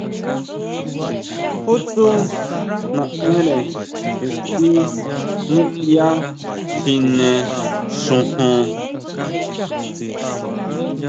¿Jú tsú naʼenre ixtí niʼya chjine xojon?